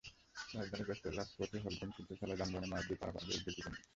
রাজধানীর ব্যস্ত রাজপথে হরদম ছুটে চলা যানবাহনের মাঝ দিয়ে পারাপার বেশ ঝুঁকিপূর্ণ।